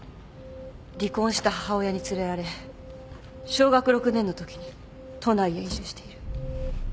離婚した母親に連れられ小学６年のときに都内へ移住している。